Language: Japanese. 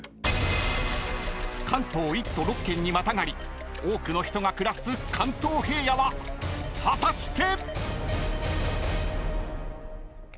［関東１都６県にまたがり多くの人が暮らす関東平野は果たして⁉］